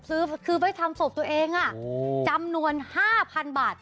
ซื้อคือไว้ทำศพตัวเองจำนวน๕๐๐๐บาท